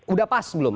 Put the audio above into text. udah pas belum